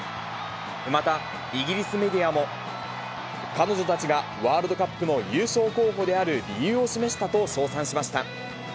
またイギリスメディアも、彼女たちがワールドカップの優勝候補である理由を示したと称賛しました。